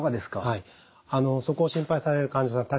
はいそこを心配される患者さん